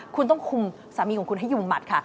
คุณต้องคุมสามีของคุณให้อยู่หมัดค่ะ